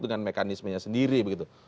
dengan mekanismenya sendiri begitu